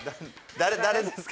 誰ですか？